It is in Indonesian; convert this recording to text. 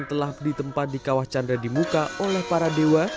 telah ditempat di kawah canda di muka oleh para dewa